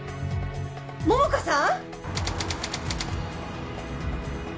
桃花さん！？